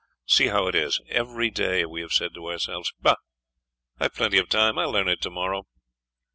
See how it is! Every day we have said to ourselves: 'Bah! I've plenty of time. I'll learn it tomorrow.'